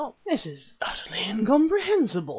"This is utterly incomprehensible!